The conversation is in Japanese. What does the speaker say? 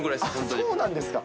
そうなんですか。